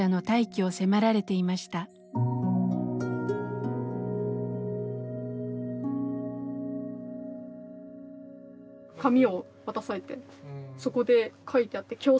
紙を渡されてそこで書いてあって「強制退去です」。